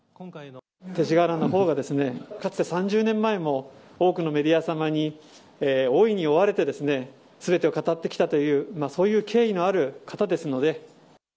勅使河原のほうは、かつて３０年前も、多くのメディア様に大いに追われてですね、すべてを語ってきたという、そういう経緯のある方ですので。